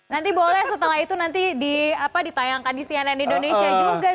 nanti boleh setelah itu nanti ditayangkan di cnn indonesia juga